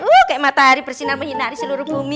kayak matahari bersinar menghidari seluruh bumi